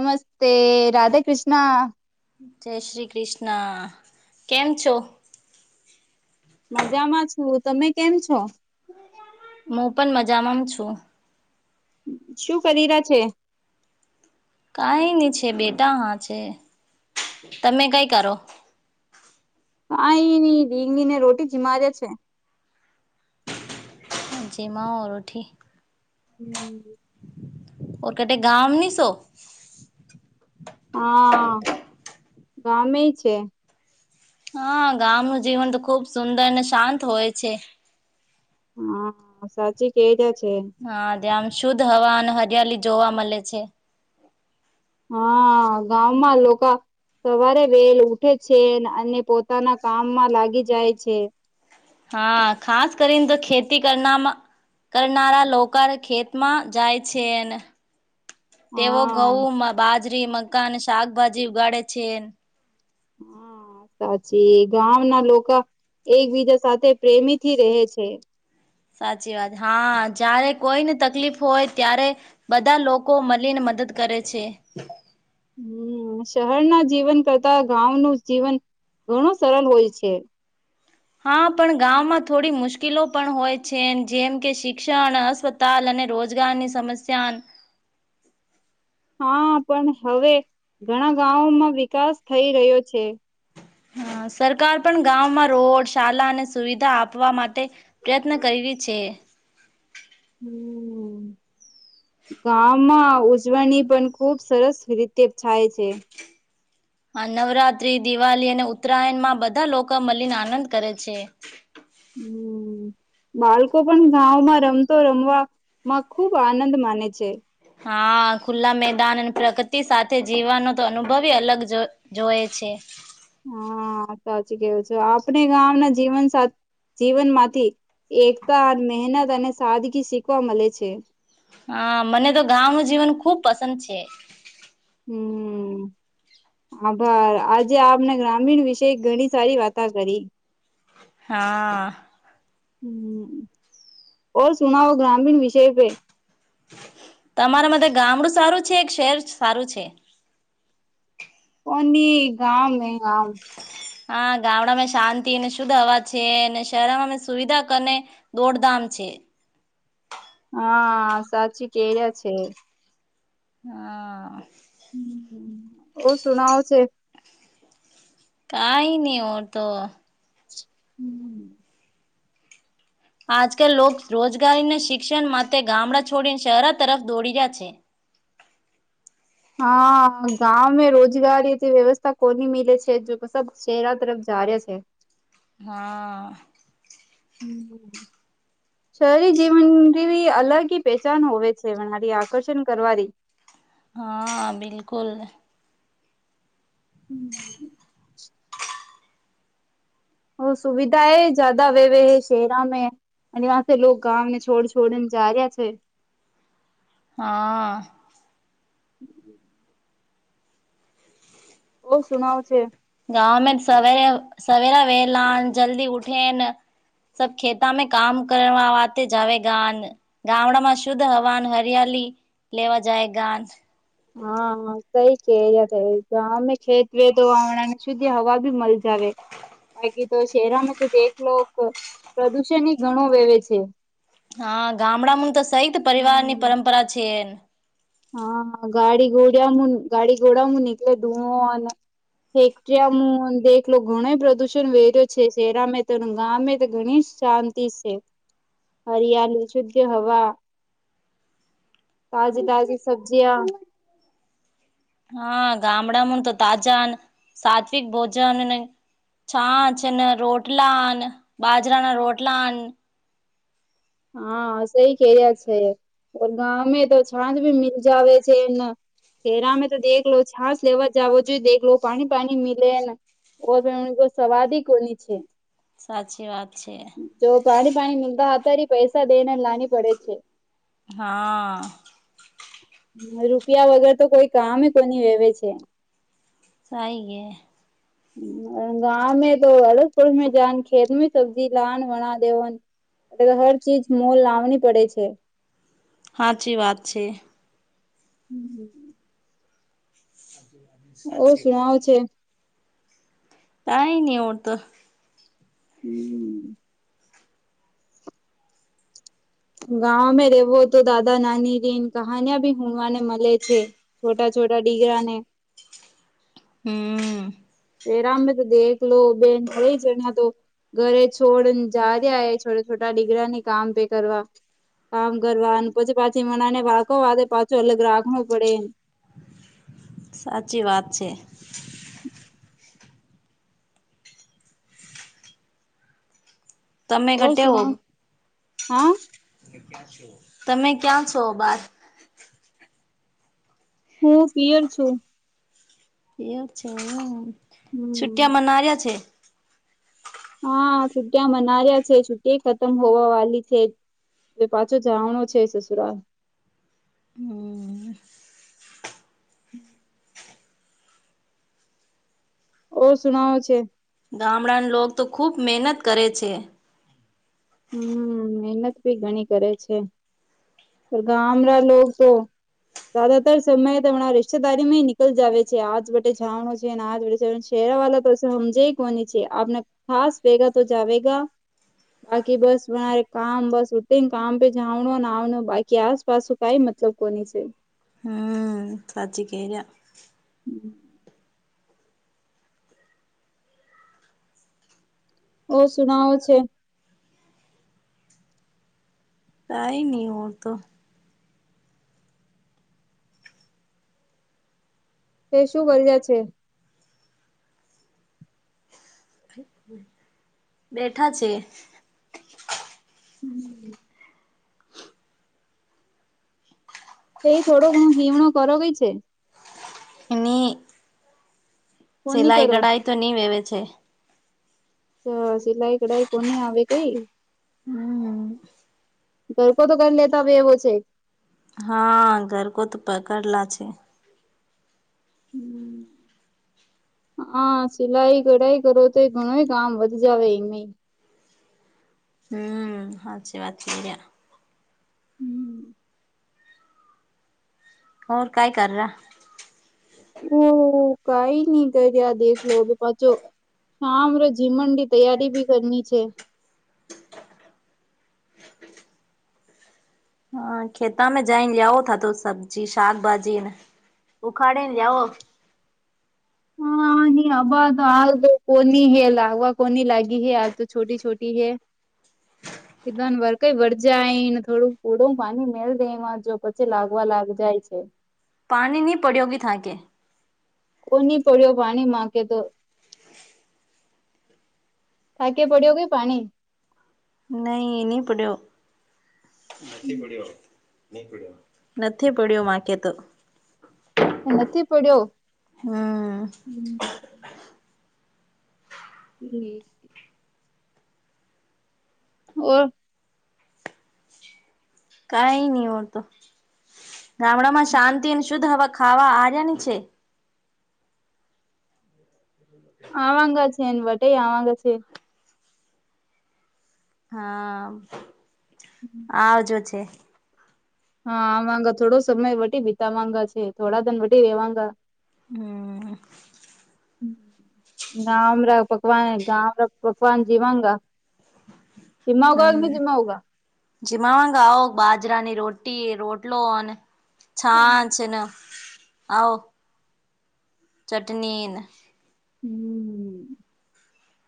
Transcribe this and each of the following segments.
નમસ્તે રાધાકૃષ્ણ. જય શ્રી કૃષ્ણ કેમ છો? મજામાં છું તમે કેમ છો? મું પણ મજામાંમ છું. શું કરી રહ્યા છે. કઈ ની છે બેટા હા છે તમે કઈ કરો. આ ઇ ઢીંગલી ને રોટી જીમારિયા છે. જીમાઓ રોઠી. હમ્મ. ઓર કટે ગામમીસ હો. હા ગામેઇસ છે. હા ગામનું જીવન તો ખુબ સુંદર અને શાંત હોય છે. હા સાચી કે રીયા છે. હા જે આમ શુદ્ધ હવા અને હરિયાલી જોવા મલે છે. હા ગામમાં લોકા. સવારે વેલ ઉઠે છે અને પોતાના કામમાં લાગી જાય છે. હા ખાસ કરીને તો ખેતી કરનામાં કરનારા લોકા ખેતમાં જાય છે. તેઓ હા ઘઉંમાં, બાજરી, મક્કા અને શાકભાજી ઉગાડે છે. હા સાચી ગામ ના લોકો એકબીજા સાથે પ્રેમીથી રહે છે. સાચી વાત હા જય્યારે કોઈને તકલીફ હોય ત્યારે બધા લોકો મળીને મદદ કરે છે. હમ્મ શહેરના જીવન કરતા ગાઓનુ જીવન ઘણું સરળ હોય છે. હા પણ ગામમાં થોડી મુશ્કેલો પણ હોય છે જેમ કે શિક્ષણ, અસ્વ તાલ અને રોજગારની સમસ્યા. હા પણ હવે ઘણા ગામામોમાં વિકાસ થઈ રહ્યો છે. હા સરકાર પણ ગામમાં રોડ શાલા અને સુવિધા આપવા માટે પ્રયત્ન કરી રહી છે. હમ્મ. ગામમાં ઉજવણી પણ ખુબ સરસ રીતે થાય છે. નવરાત્રી, દિવાળી અને ઉત્તરાયણ માં બધા લોકો મલીને આનંદ કરે છે. હમ બાળકો પણ ગાઓમાં રમતો રમવામાં ખુબ આનંદ માને છે. હા ખુલ્લા મેદાન અને પ્રગતિ સાથે જીવાનો તો અનુભવ અલગ જો જોએ છે. હા સાચી કેવું છે આપણે ગામના જીવન સાથી જીવનમાંથી. એકતા, મહેનત અને સાદગી શીખવા મળે છે. હા મને તો ગાઓનુ જીવન ખુબ પસંદ છે. હમ્મ. આભાર આજે આપને ગ્રામીણ વિશે ઘણી સારી વાતા કરી. હા હમ ઓ સુનાઓ ગ્રામીણ વિષય પે તમારા મલે ગામડું સારું છે કે શહેર સારું છે કોની ગામ હે ગામ હા ગામડામાં શાંતિ અને શુદ્ધ હવા છે અને શહેરમાં મે સુવિધા કરને દોડદામ છે હા સાચી કેયા છે હા હ ઓ સુનાવ છે કાઈ ની ઓ તો હમ આજકાલ લોકો રોજગારીને શિક્ષણ માટે ગામડા છોડીને શહેર તરફ દોડી રહ્યા છે હા ગામે રોજગારીથી વ્યવસ્થા કોની મીલે છે જો શહેરા તરફ જ્યારે છે હા હમ શહેરી જીવન અલગ પહેચાન હોવે છેરી આકર્ષણ કરવાની હા બિલકુલ હમ ઓ સુવિધા હ જદા વેવે હૈ શહેરામાં અને આસે લોકો ગામને છોડ છોડને જાર્યા છે હા ઓ સુણવ છે ગામાં સવારે સવેરા વહેલા જલ્દી ઉઠીન સબ ખેતામાં કામ કરવા વા વાતે જવેગાન ગામડા માં શુદ્ધ હવાન હરિયાલી લેવા જાય ગાન હા સઈ કે અમે ખેતવેદ વામણાની સુધી હવા ભી મલ જાવે બાકી તો શહેરામાં તો તે એકલોક પ્રદુષણ ઘણો વેવે છે હા ગામડામાં તો સહિત પરિવાર ની હમ પરંપરા છે હા ગાડી ગોડ મુ ગાડી ઘોડાયા મુ કલે ધુન ફેક્ટરીયામાં દેખલો ઘણો પ્રદુષણ વેર્યો છે શેરામાં તો ગામમે તો ઘણી શાંતિ છે હરિયાળી શુદ્ધ હવા તાજી તાજી સબ્જિયા હા ગામડા મ તો તાજા અને સાત્વિક ભોજન અને છાચ અને રોટલાન બાજરા ના રોટલાન હા સઈ કેરિયા છે ગામે તો છાંત ભી મીલ જાવે છે એમને ઘેરામે તો દેખ લો છાસ લેવા જાવો જોઈ દેખલો પાણી પાણી મિલે ને ઓ પણ એમને કો સવાદી કોની છે સાચી વાત છે જો પાણી પાણી મીતા હતારી પૈસા દેને લની પડે છે હા રૂપિયા વગર તો કોઈ કામ કોની વેવે છે સાહીએ હમ ગા મે તો હરતપુર મે જાન ખેત સબ્જી લાન વણા દેવન એટલે તો હર ચીજ મો લાવણી પડે છે હાચી વાત છે. હમ ઓ શણવ છે. કાઈ ની ઓડ તો હમ ગાવમે રવો તો દાદા, નાની રી કહાનિયા ભી હણવાને મલે છે. છોટા છોટા ડિગરાને હમ એરામને તો દેખ લો બેન ખરે જણા તો ઘરે છોડ જા રહ્યાય, છોટા છોટા ડિગરા ની કામ પે કરવા કામ કરવા પછી, પાછી મનાને વાખો વારે પાછું અલગ રાખવું પડે. સાચી વાત છે. તમે ઓ ઘટેવો સુણો હા? તમે ક્યાં છો બાર? હું પિયર છું. એવ છે. હમ છુટિયા મનારિયા છે. હા છુટ્ટિયા મનાર્યા છે. છુટ્ટી ખતમ હોવા વાળલી છે. પાછો જવણો છે સસુરાલ. હમ હમ ઓ શુંનાવ છે.? ગામડાના લોગ તો ખુબ મહેનત કરે છે. હમ મહેનત ભી ઘણી કરે છે. ગામડા લોકો તો જાદાતર સમય તેમના રિશ્તેદારીમાં નીકલ જાવે છે. આજ વટે જવાનો છે અને આજ વ જવા છે. ઘેરવાળલા તો સમજે કોની છે આપને ખાસ ભેગા તો જવેગા બાકી બસ રે કામ બસ ઉઠને કામ પે જાવનો આવનું બાકી આસપાસ, કાઈ મતલબ કોની છે. ખાજી ક રહ્યા. હમ ઓ સુનાવો છે.? કઈ નહી હું તો. તે શું ગોલ્યા છે? બેઠા છે. એ એ થોડો ઘણું હીમણો કરો કઈ છે? એની કોની સિલાઈ કરો કઢાઈ તો ની વેવે છે. સિલાઈ કડાઈ કોની આવે કઈ? હમ ઘર કો તો કરી લેતા ભ એવો છે.? હા ઘર કો તો પકડલા છે. હમ હા સિલાઈ કઢાઈ કરો તો, એ ઘણો કામ વધ જાવે એમ ભી. હમ હાચી વાત કરીયા. હોર કાઈ કરરા? ઓહ કઈ નહી કર્યા દેખલો ભ પાછો હા અમરે જીમનડી તૈયારી ભી કરની છે. હા ખેતામાં જઈને લેવો થતો સબ્જી શાકભાજી ને ઉખાડે ને જાવો હબ તો હાલ તો કોની હૈ લાગવા કોની લાગી હૈ હાલ તો છોટી છોટી હૈ. કધન વર કઈ વર જાયને થોડું કૂડું પાણી મેલ દે એમાં જો પછી લાગવા લાગ જાય છે. પાણીની પડ્યોગી થાકે? કો નહી પડ્યો પાણી માંકે તો થાકે પડ્યો કે પાણી? નહી એ ન પડ્યો. નથી પડ્યો માથે તો નથી પડ્યો? હમ હમમ ઓર કઈ નહ હો તો ગામડામાં શાંતિ અને શુદ્ધ હવા ખાવા આવ્યા ને છે. આવાંગ છે એ વટે આવાંગ છેે. હા. [inaudible] આજો છે. હા વાગા થોડો સમય વટી બીતા વાગા છે થોડા ધન વ રેવાગા. હા. ગામ પકવાન ગામ પકવાન જીવાંગા [inaudible] કે હમ નહી જીમાવગા જીમાવાગ આવ બાજરાની રોટી રોટલો અને, છાં છે ને આવો ચટની હમ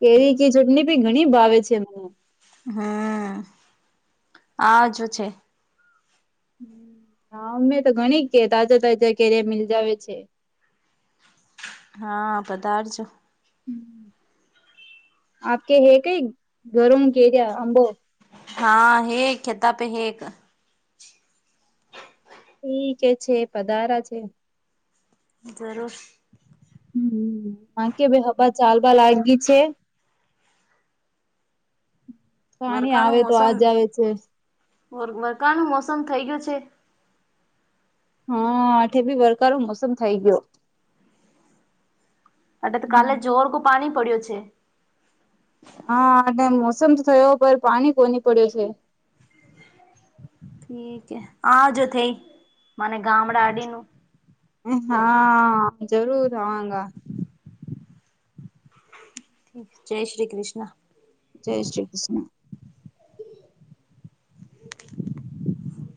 કેરી કે ચટણી ભી ઘણી ભાવે છેમ. હમ આજો છે. હા અમે તો ઘણી કે તાજા તાજા કેયા મિલજાવે છે. હા પધારજો આપ કે હે કઈ ઘરમ કેર્યા અંબો. હા હે ખેતા પે હે એક. ઠીક છે પધારા છે. જરૂર હમ કે ભાઈ હવા ચાલવા લાગી છે. પાણી આવે તો આજ આવે છે. વરકાાળ નું મોસમ થઇ ગયું છે. હ આઠે બી વરકારો મોસમ થઈ ગયો. એટ તો કાલે જોર ક પાણી પડ્યો છે. હા એટ મોસમ તો થયો પર પાણી કોની પડ્યો છે. ઠીક આજ થઈ મને ગામડાડી નું. હા જરૂર આવા ગા. જય શ્રી કૃષ્ણ. જય શ્રી કૃષ્ણ.